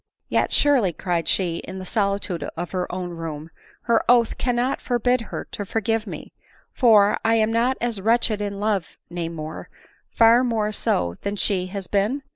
" Yet, surely," cried she in the solitude of her own room, " her oath cannot now forbid her to forgive me ; for, am I not as wretched m love, nay more, far more so, than she has been